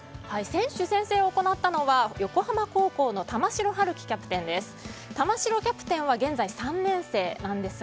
選手宣誓を行ったのは横浜高校の玉城陽希キャプテンです。